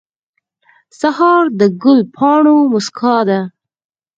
سهار د ګل پاڼو موسکا ده.